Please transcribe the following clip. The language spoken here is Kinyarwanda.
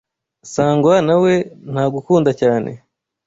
Sangwa nawe ntagukunda cyane.